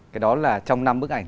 cái đó là trong năm bức ảnh